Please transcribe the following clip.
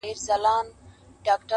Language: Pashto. په څو چنده له قېمته د ټوكرانو!.